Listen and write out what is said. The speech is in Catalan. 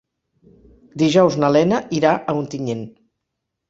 Dijous na Lena irà a Ontinyent.